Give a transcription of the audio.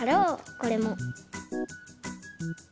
これも。